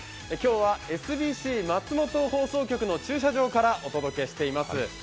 今日はＳＢＣ松本放送局の駐車場からお伝えしています。